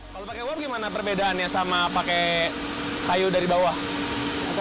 kalau pakai wap bagaimana perbedaannya dengan pakai kayu dari bawah